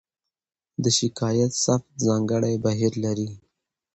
د شکایت ثبت ځانګړی بهیر لري.